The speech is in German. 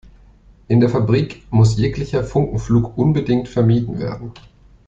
In der Fabrik muss jeglicher Funkenflug unbedingt vermieden werden.